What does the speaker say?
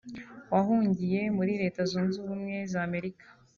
wahungiye muri Leta Zunze Ubumwe z’Amerika